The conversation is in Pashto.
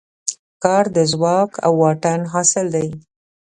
کار د ځواک او واټن حاصل دی.